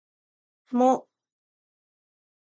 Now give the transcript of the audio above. も